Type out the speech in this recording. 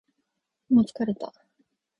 もう疲れた